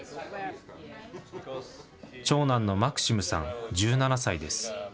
長男のマクシムさん１７歳です。